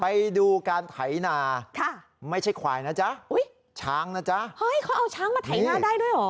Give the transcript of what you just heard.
ไปดูการไถนาค่ะไม่ใช่ควายนะจ๊ะอุ้ยช้างนะจ๊ะเฮ้ยเขาเอาช้างมาไถนาได้ด้วยเหรอ